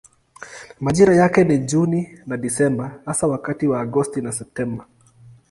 Majira yake ni Juni na Desemba hasa wakati wa Agosti na Septemba.